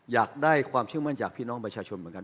อยากได้ความเชื่อมั่นจากพี่น้องประชาชนเหมือนกัน